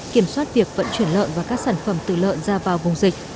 kiểm soát việc vận chuyển lợn và các sản phẩm tự lợn ra vào vùng dịch